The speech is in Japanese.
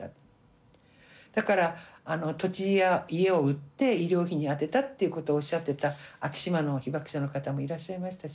だから土地や家を売って医療費に充てたっていうことをおっしゃってた昭島の被爆者の方もいらっしゃいましたし。